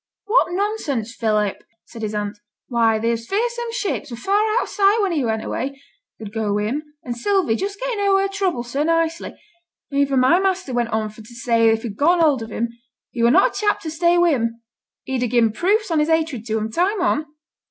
'What nonsense, Philip!' said his aunt; 'why, these fearsome ships were far out o' sight when he went away, good go wi' him, and Sylvie just getting o'er her trouble so nicely, and even my master went on for to say if they'd getten hold on him, he were not a chap to stay wi' 'em; he'd gi'en proofs on his hatred to 'em, time on.